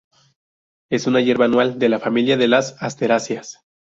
Es una hierba anual de la familia de las asteráceas.